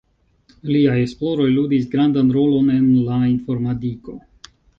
Liaj esploroj ludis grandan rolon en la informadiko.